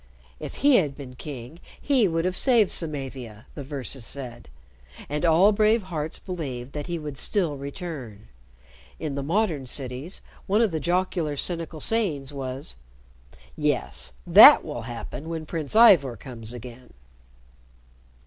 If he had been king, he would have saved Samavia, the verses said, and all brave hearts believed that he would still return. In the modern cities, one of the jocular cynical sayings was, "Yes, that will happen when Prince Ivor comes again."